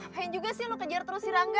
apa yang juga sih lo kejar terus si rangga